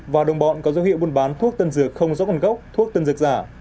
và đồng bọn có dấu hiệu buôn bán thuốc tân dược không giống còn gốc thuốc tân dược giả